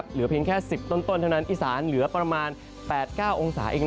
เหลือเพียงแค่๑๐ต้นเท่านั้นอีสานเหลือประมาณ๘๙องศาเอง